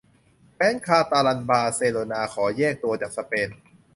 แคว้นคาตาลันบาร์เซโลน่าขอแยกตัวจากสเปน